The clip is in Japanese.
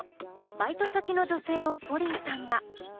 バイト先の女性をＰＯＲＩＮさんが。